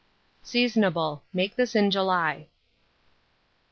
Seasonable. Make this in July.